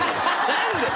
何で？